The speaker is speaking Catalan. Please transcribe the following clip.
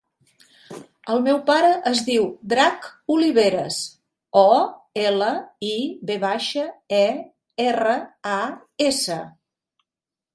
El meu pare es diu Drac Oliveras: o, ela, i, ve baixa, e, erra, a, essa.